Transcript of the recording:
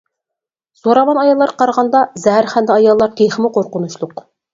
زوراۋان ئاياللارغا قارىغاندا زەھەرخەندە ئاياللار تېخىمۇ قورقۇنچلۇق.